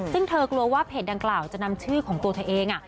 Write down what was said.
ซึ่งเธอกลัวว่าเพจดังกล่าวจะนำชื่อของตัวเธอเอง